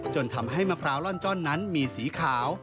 จนทำให้มะพร้าวล่อนจ้อนนั้นมีสีขาว